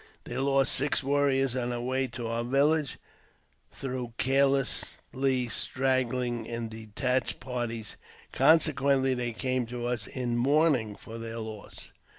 They lost six warriors on their way to our village, through carelessly straggling in detached parties, consequently^ they came to us in mourning for their loss.